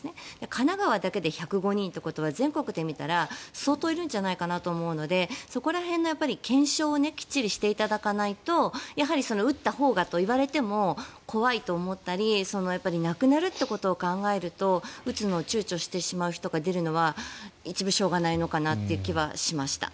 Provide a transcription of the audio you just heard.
神奈川だけで１０５人ってことは全国で見たら相当いるんじゃないかなと思うのでそこら辺の検証をきっちりしていただかないと打ったほうが言われても怖いと思ったり亡くなるということを考えると打つのを躊躇してしまう人が出るのは一部、しょうがないのかなって気はしました。